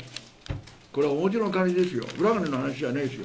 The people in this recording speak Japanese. これは表の金ですよ、裏金の話じゃないですよ。